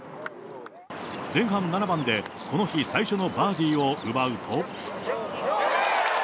前半７番でこの日最初のバーディーを奪うと。